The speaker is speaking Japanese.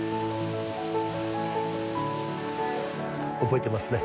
覚えてますね？